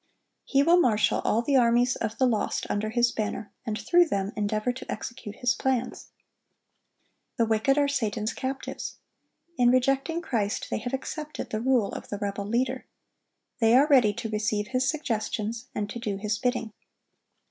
He will marshal all the armies of the lost under his banner, and through them endeavor to execute his plans. The wicked are Satan's captives. In rejecting Christ they have accepted the rule of the rebel leader. They are ready to receive his suggestions and to do his bidding.